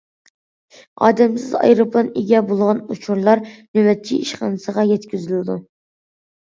ئادەمسىز ئايروپىلان ئىگە بولغان ئۇچۇرلار نۆۋەتچى ئىشخانىسىغا يەتكۈزۈلىدۇ.